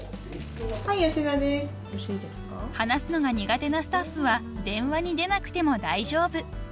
［話すのが苦手なスタッフは電話に出なくても大丈夫］